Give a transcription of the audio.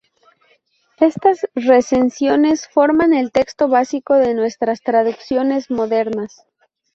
Estas recensiones forman el texto básico de nuestras traducciones modernas.